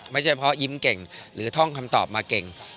ไม่ใช่เพราะยิ้มเก่งหรือท่องคำตอบมาเก่ง